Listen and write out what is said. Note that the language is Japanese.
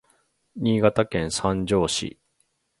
Niigataken sanjo si